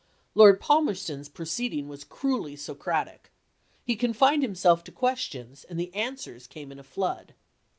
Lord Palmerston's proceeding was cruelly Socratic. He confined himself to ques tions, and the answers came in a flood.